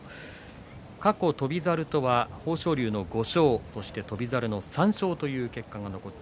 過去、翔猿とは豊昇龍の５勝、翔猿の３勝という結果です。